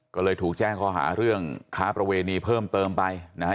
ก็เลยถูกแจ้งข้อหาเรื่องค้าประเวณีเพิ่มเติมไปนะฮะ